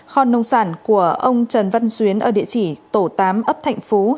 kho nông sản của ông trần văn xuyến ở địa chỉ tổ tám ấp thạnh phú